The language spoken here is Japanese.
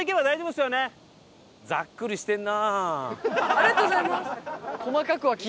ありがとうございます。